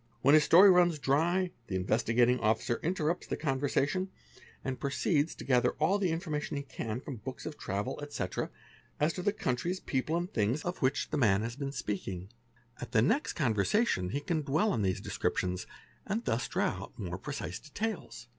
When his story runs dry, the Investigating Officer interrt the conversation and proceeds to gather all the information he can : books of travel, etc., as to the countries, people and things of which t ||.|. FALSE NAMES 305 man has been speaking. At the next conversation he can dwell on these descriptions and thus draw out more precise details.